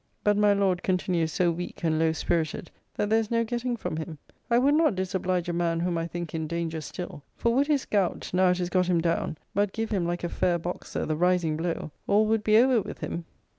But my Lord continues so weak and low spirited, that there is no getting from him. I would not disoblige a man whom I think in danger still: for would his gout, now it has got him down, but give him, like a fair boxer, the rising blow, all would be over with him.